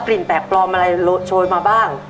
กลิ่นแตกปลอมอะไรโชยมาบ้าง